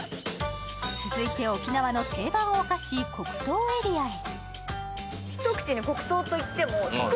続いて沖縄の定番お菓子、黒糖エリアへ。